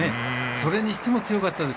それにしても強かったです。